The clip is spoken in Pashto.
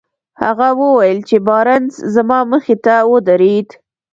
هغه وويل چې بارنس زما مخې ته ودرېد.